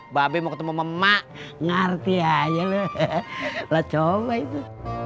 mbak be mau ketemu mbak mak ngerti aja lo lo coba itu